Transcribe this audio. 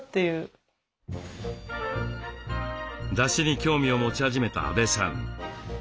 だしに興味を持ち始めた阿部さん。